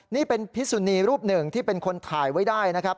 นี่เป็นพิสุนีรูปหนึ่งที่เป็นคนถ่ายไว้ได้นะครับ